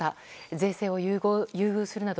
税制を優遇するなど